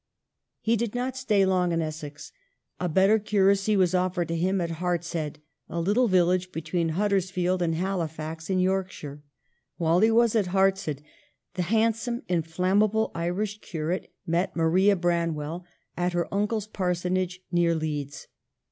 He did not stay long in Essex. A better curacy was offered to him at Hartshead, a little village between Huddersfield and Halifax in Yorkshire. While he was at Hartshead the handsome inflammable Irish curate met Maria Branwell at her uncle's parsonage near Leeds.